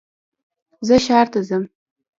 زه ښار ته ځم